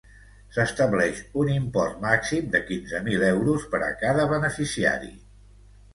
S'estableix un import màxim de quinze mil euros per a cada beneficiari.